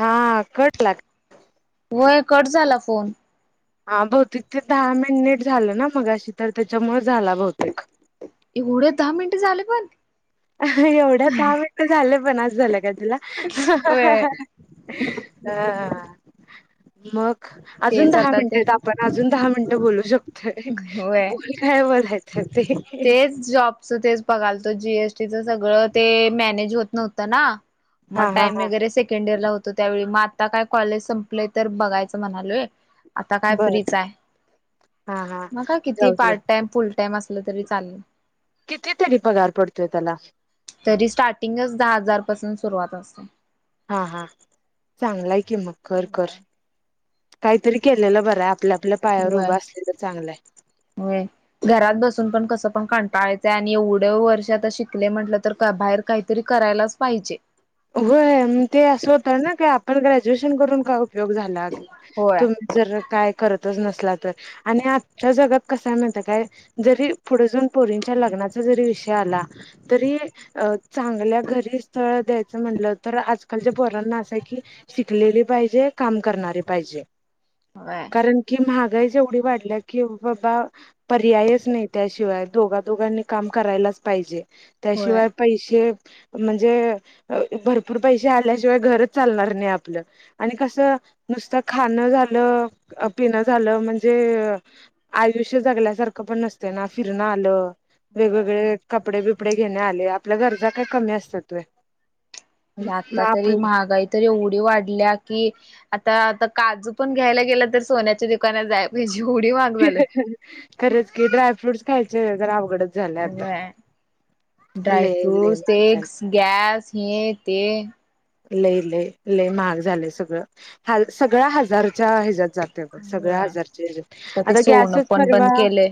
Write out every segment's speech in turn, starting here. हा कट लाग होय कट झाला फोन. हा भौतेक ते दहा मिनिट झालं ना मगाशी तर त्याच्यामुळे झाला बहुतेक. एवढे दहा मिनटं झाले पण. एवढ्यात दहा मिनिटं झालं पण अस झाल काय तुला. होय हा मग अजून तेच दहा आता मिनिटे ते आहेत. आपण अजून दहा मिनिटं बोलू शक होय बोल काय बोलायचं ते. तेच जॉबचं तेच बघालतो. जीएसटीचं सगळं ते मॅनेज होत नव्हतं ना? मग हा हा टाइम हा वगैरे सेकंड इयर ला होतो त्यावेळी म आता काय कॉलेज संपलंय तर बघायचं म्हणालोय. आता काय बर फ्री च हाय. हा हा. मग काय किती जाऊ दे पार्ट टाइम फुल टाइम असलं तरी चालेल. किती तरी पगार पडतोय त्येला. तरी स्टार्टिंगच दहा हजारपासून सुरुवात असतय. हा हा चांगलाय की मग कर कर. काहीतरी केलेलं बरं आहे. आपल्या आपल्या पायावर होय उभं असलेलं चांगलाय. होय. घरात बसून पण कसं पण कंटाळा येतय. आणि एवढ वर्ष आता शिकले म्हटलं तर क बाहेर काहीतरी करायलाच पाहिजे. होय ते असं होत ना काय? आपण ग्रॅज्युएशन करून काय उपयोग झाला. होय. तुम् जर काय करतच नसला तर. आणि आजच्या जगात कसाय माहिताय काय जरी पुढ जाऊन पोरींच्या लग्नाचा जरी विषय आला. तरी अ चांगल्या घरी स्थळ द्या असं म्हटलं तर आजकालच्या पोरांना असं आहे की शिकलेली पाहिजे. काम करणारी पाहिजे. होय. कारण की महागाईच एवढी वाढल्या की बाबा पर्यायच नाही. त्याशिवाय दोघा -दोघांनी काम करायलाच पाहिजे. होय. त्याशिवाय पैशे म्हणजे भरपूर पैशे आल्याशिवाय घरच चालणार नाही आपलं. आणि कसं नुसतं खाणं झालं, पिणं झालं म्हणजे आयुष्य जगल्यासारखं पण नसतय ना? फिरन आलं होय. वेगवेगळे कपडे बिपडे घेणे आले. आपल्या गरजा काय कमी असत्यात होय? ल आता तरी महागाई तर एवढी वाढल्या की आता आता काजू पण घ्यायला गेलं तर सोन्याच्या दुकाना जाया पाहिजे एवढी महाग झाल्यात. खरंच की, ड्रायफ्रूट्स खायचे जर अवघडच झालयं आता. लय लय ड्रायफ्रूटस महाग झालंय. तेच, गॅस हे न ते. लई-लई लय महाग झाले सगळं, ह सगळ्या हजारच्या ह्याच्यात जात. हे बघ, सगळ्या होय. हजारचे ते आता सोनं गॅसच पण परवा बंद केलंय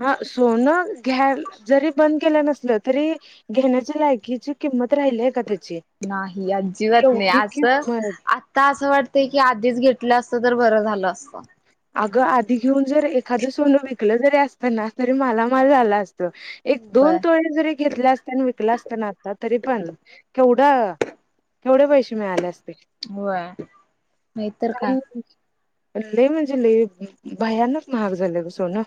हा, सोनं घ्या जरी बंद केलं नसलं तरी घेण्याच्या लायकीची किंमत राहिलीय का त्याची? नाही, अजिबात नाही केवढी असं किंमत आता असं वाटतंय की आधीच घेतलं असतं तर बरं झालं असतं. अगं, आधी घेऊन जर एखादं सोनं वि कलं जरी असत ना, तरी मला माल झाला असतो. एक व्हय. दोन-तोळे जरी घेतले असते ना, विकलं असता ना आता तरी पण केवढा, केवढे पैसे मिळाले असते. होय, नाही तर काय! कारण लय म्हणजे लय भयानक महाग झालयं गं सोनं!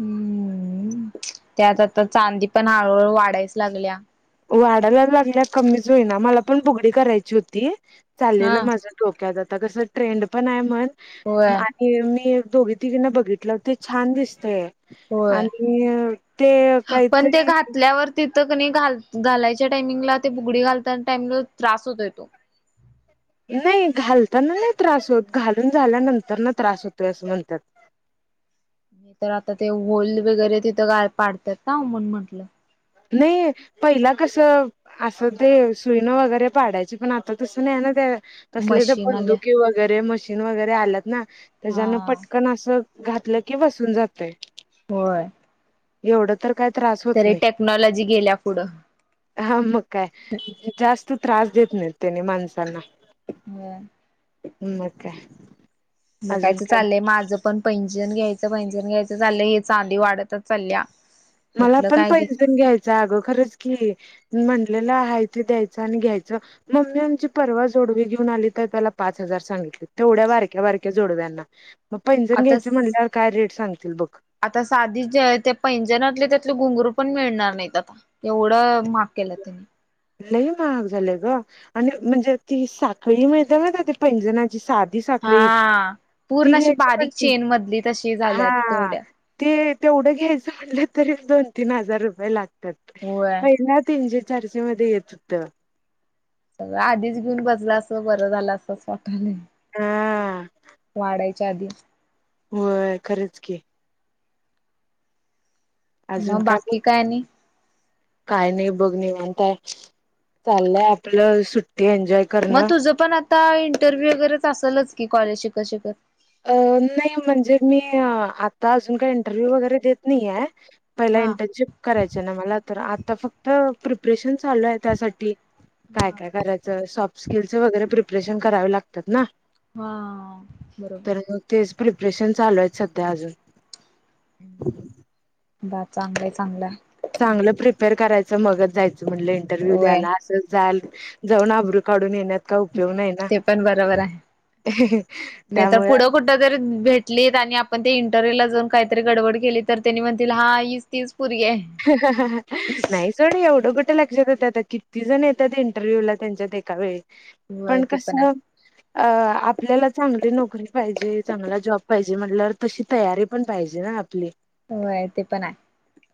हम्म, त्यात आता चांदी पण हळूहळू वाढायचं लागल्या. वाढायला लागल्या कमीच होईना. मला पण बुगडी करायची होती, चाललेलं हा माझं डोक्यात आता कस ट्रेंड पण आहे म्हण. होय. मी दोघी-तिघीनां बघितलं होतं, छान दिसतयं. होय आणि ते पण ते काहीतरी घातल्यावर तिथं कां नाही, घाल घालायच्या टाइमिंगला ते बुगडी घालता टाइमला त्रास होतोय तो? नाही, घालताना नाही त्रास होत. घालून झाल्यानंतर ना त्रास होतोय, असं म्हणतात. नाही तर आता ते होल वगैरे तिथं ग पाडतात ना, म्हणून म्हंटलं. नाही, पहिला कस असं ते सुईनं वगैरे पाडायची, पण आता तसं नाही ना त्या? तसले मशीन आल्या बंदुकीे वगैरे मशीन वगैरे आल्यात ना? त्याच्यान हा पटकन असं घातलं की बसून जातयं. होय. एवढं तर काय त्रास होत तरी नाही. टेक्नॉलॉजी गेल्या पुढं. हा, मग काय जास्त त्रास देत नितेने माणसांना व्हयं. मग काय. अजून बघायचं काय चाललंय माझं पण. पैजणं घ्यायचं, पैजणं घ्यायचं चाललंय हे. चांदी वाढत चाललेत. मला पण पैजन घ्यायचं, अगं खरंच की! मी म्हटलेलं आहेय, ते द्यायचं आणि घ्यायचं. मम्मी आमची परवा जोडवी घेऊन आली, तर त्याला पाच हजार सांगितले. तेवढ्या बारक्या-बारक्या जोडव्यांना! मग पैंजण आता घ्यायचं म्हणल्यावर, काय रेट सांगतील बघ! आता साधी जे आहेत त्या पैजनातले, त्यातले घुंगरू पण मिळणार नाहीत आता एवढा महाग केल्यात त्यानी. लय महाग झालेय गं! आणि म्हणजे ती साखळी आहे कां नाही, पैजनाची साध ती साखळी हा ती पूर्ण अशी घ्यायची पण बारीक तू चेन मधली तशी झाल्या आता हा तेवढ्या ते तेवढं घ्यायचं म्हटलं तरी दोन-तीन हजार रुपये लागतात. होय पहिल्या तीनशे-चारशेमध्ये येत होत. सगळ आधीच घेऊन बसला अस बर झालं अस वाटायल. हा वाढया चहा. हो खरंच की. अजून मग काय बोल बाकी की? आणि काय नाही बघ निवांत हाय चाललंय आपलं सुट्टी एन्जॉय मग करणं. तुझं पण आता, इंटरव्ह्यू वगैरेच असेलच की कॉलेज शिकत शिकत. अ, नाही म्हणजे मी आता अजून काही इंटरव्ह्यू वगैरे देत नाही आहे. पहिला हा इंटर्नशिप करायच ना मला तर आता फक्त प्रिपरेशन चालू आहे त्यासाठी, काय हा काय करायचं, सॉफ्ट स्किलच वगैरे प्रिपरेशन करावे लागतात ना. हा बरोबर. तर मग तेच प्रिपरेशन चालू आहे सध्या अजून. हा चांगलं चांगलंय. चांगलं प्रिपेअर करायचं मगच जायचं म्हणलं इंटरव्ह्यू होय द्यायला असं जाल जाऊन आबरू काढून येण्यात, काय उपयोग नाहीय ना ते पण बरोबर आहे त्यामुळें, ज भेटली आणि आपण ते इंटरव्ह्यू ला जाऊन काहीतरी गडबड केली, तर त्यांनी म्हणतील हा ही तीच पूरगी आहे. ह ह नाही. सर एवढं कुठं लक्षात येत आता किती जण येतात इंटरव्ह्यू ला त्यांच्यात एका वेळी. होय पण ते कसलं? आहे अ आपल्याला चांगली नोकरी पाहिजे, चांगला जॉब पाहिजे म्हण तशी तयारी पण पाहिजे ना आपली. होय, ते पण आहे.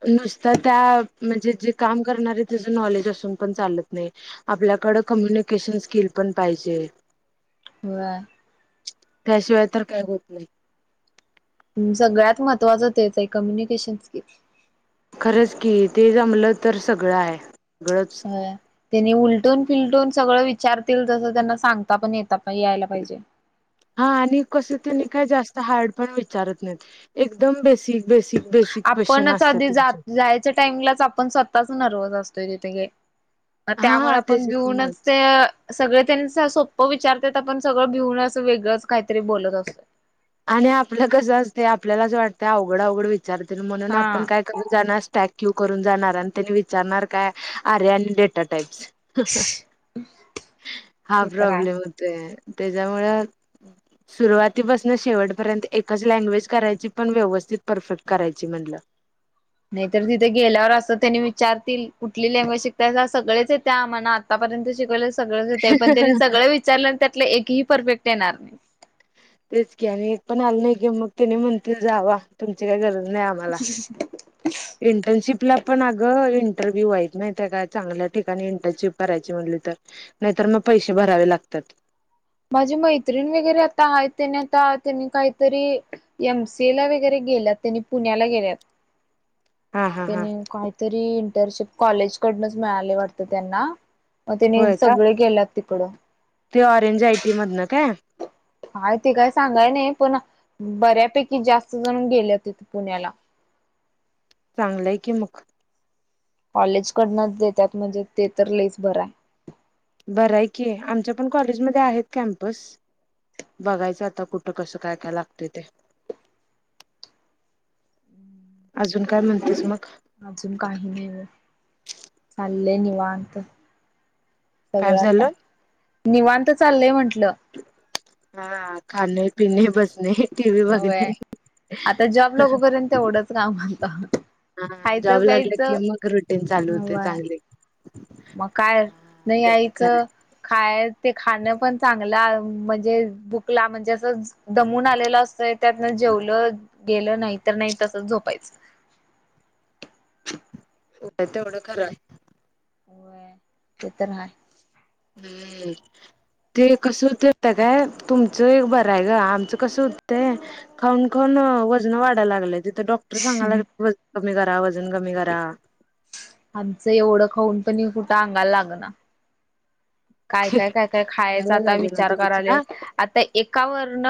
नुसत त्या म्हणजे, जे काम करणारे त्याचं नॉलेज असून पण चालत नाही. आपल्याकडे कम्युनिकेशन स्किल पण पाहिजे. होय. त्याशिवाय तर काय होत नाही. सगळ्यात महत्वाचं तेच आहे, कम्युनिकेशन स्किल. खरंच की, ते जमलं तर सगळं आहे. सगळंच, त्यांनी उलटून, फिलटून सगळं विचारतील तसं त्यांना सांगता पण येता पण यायला पाहिजे. हा आणि कस त्यांनी काय जास्त हार्ड पण विचारत नाही, एकदम बेसिक, बेसिक बेसिक क्वेश्चन आपणच असतात आधी त्यांचे जायच्या टाइमलाच आपण स्वतःच नरवस असतोय तिथे ग त्यामुळे हा आपण भिऊनच त्याच्यामुळेच ते सगळे त्यांनी सोपं विचारतात, आपण सगळं भिऊन असं वेगळंच काहीतरी बोलत असत. आणि आपलं कसं असते आपल्यालाच वाटत अवघड अवघड विचारतील म्हणून आपण हा काय? करून जाणार स्टॅक, क्यू करून जाणार आणि त्यांनी विचारणार काय, आर्या आणि डेटा टाईप्स- हा ते तर आहे. प्रॉब्लेम होत ते त्याच्यामुळे सुरुवातीपास शेवटपर्यंत एकच लँग्वेज करायची, पण व्यवस्थित परफेक्ट करायची म्हणटलं. नाही तर तिथं गेल्यावर असं त्यांनी विचारतील कुठली लँग्वेज शिकताय सगळेच येत आमाना आतापर्यंत शिकवलं सगळंचय, पण त्यांनी सगळं विचारलं त्यातलं एकही परफेक्ट येणार नाही. तेच की आणि एक पण आल नाही की मग तेनी म्हणतील जावा, तुमची काय गरज नाही आ ह [unintelligible] इंटर्नशिपला पण अगं इंटरव्ह्यू वहत नाही त्या का, चांगल्या ठिकाणी इंटर्नशिप करायची म्हटली तर. नाहीतर मग पैसे भरावे लागतात. माझे मैत्रिण वगैरे आता आहेत त्याने आता त्यांनी काहीतरी एम सी ए ला वगैरे गेल्यात त्यांनी पुण्याला गेल्यात. हा हा हा त्यानी काहीतरी इंटर्नशिप कॉलेज कडूनच मिळाले वाटत त्यांना. मग त्यांनी होय का सगळे गेल्यात तिकडं ते ऑरेंज आयटी मधन काय? हय ते काय सांगाय नाही पण बऱ्यापैकी जास्त जण गेले ते पुण्याला चांगलंय की मग कॉलेज कडनच देतात म्हणजे ते तर लईच बरं आहे. बरं आहे की आमच्या पण कॉलेजमध्ये आहेत कॅम्पस. बघायचं आता कुठं कसं काय काय लागते ते. अजून काय म्हणतेस मग. अजून काही नाही बघ चाललेय निवांत. काय सगळं आता झालं निवांत चाललंय म्हंटलं हा खाणे पिणे बसणे टीव्ही होय बघणे. आता जॉब लागूपर्यंत तेवढंच काम आता हा जॉब खायचं लागले कि प्यायचं मग रुटीन चालू होते होय चांगले. मग काय हा नाही तेवढं यायचं. खाय ते खाणं पण चांगलं म्हणजे- ला म्हणजे असं दमून आलेलं असतंय त्यातन जेवलं केलं नाही तर नाही तसच झोपायचं. हो तेवढं खरं व्हाय ते तर आहे. हम्म ते कसं होत होत काय तुमचं एक बर आहे ग आमचं कसं होतय- खाऊन खाऊन वजन वाढायला लागल्यात तिथं डॉक्टर सागायला वजन कमी करा वजन कमी करा आमचं एवढं खाऊन पनि कुठं अंगाला लागना काय काय काय काय खायचं अंगाला आता लागेना विचार करायले. तुमच्या आता एकावरन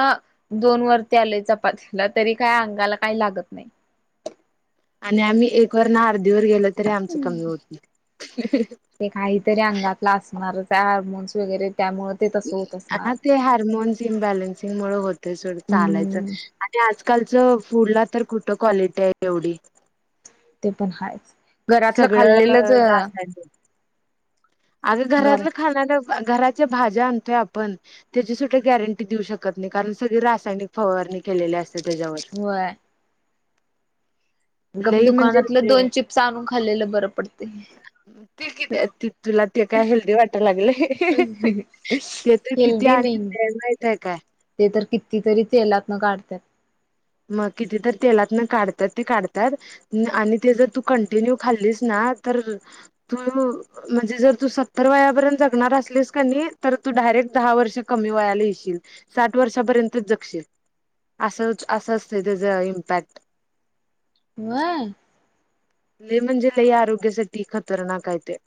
दोन वरती आलेय चपातीला तरी काय अंगाला काही लागत नाही. आणि आम्ही एक वरण अर्धी वर गेलो तरी आमचं कमी होत नाही. ते काहीतरी अंगातला असणारच त्या हार्मोन्स वगैरे त्यामुळे ते तसं होत असणार. हा ते हार्मोन्स इम्बॅलन्सिंग मुळे होतय थोडं चालायचं हम्म आणि आजकालच फूडला तर कुठं क्वालिटी आहे एवढी. ते पण हायच घरातलं सगळं खाल्लेलंच अग घर घरातलं खाणाऱ्या घराच्या भाज्या आणतोय आपण. त्याची सुद्धा गॅरंटी देऊ शकत नाही कारण सगळी रासायनिक फवारणी केलेले असते त्याच्यावर व्हाय [unintelligible] गप लई म्हणजे दुकानातलं ते दोन चिप्स आणून खाल्लेलं बरं पडते. ते किती येतं तुला ते काय हेल्दी वाटायला लागल हे हे [inaudible] ते तर किती हेल्दी आण नाही येत माहित आहे काय? ते तर कितीतरी तेलातन काढत्यात. मग किती तर तेलातन काढतात ती काढतात आणि ते जर तू कंटिन्यू खाल्लीस ना तर तू म्हणजे जर तू सत्तर वयापर्यंत जगणार असलेस का नाही तर तू डायरेक्ट दहा वर्ष कमी वयाला येशील. साठ वर्षापर्यंतच जगशील अस असं असत त्याच इम्पॅक्ट व्हय लय म्हणजे लय आरोग्यासाठी खतरनाक आहे ते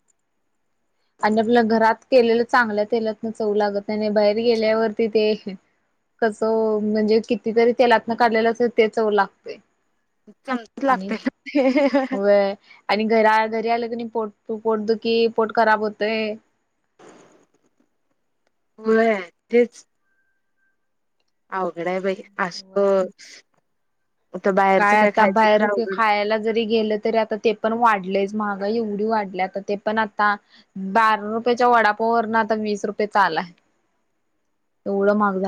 आणि आपल्या घरात केलेलं चांगल्या तेलातनं चव लागत नाही बाहेर गेल्यावरती ते. कसं म्हणजे कितीतरी तेलातन काढलेलं असल तेच चव, लागत. चमच लागतंय. हं. आणि घरा घरी आलं की नाही पोट दुखी की पोट खराब होतय. होय तेच. अवघड आहे बाई असतो. होय. काय आता बाहेर खायला जरी गेलं तरी आता. ते पण वाढलेच महागाई एवढी वाढली आता ते पण आता. बारा रुपयाच्या वडापाववर ना आता वीस रुपये चा आलाय एवढं महाग झालय.